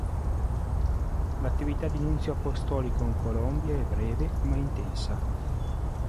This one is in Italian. L'attività di nunzio apostolico in Colombia è breve, ma intensa.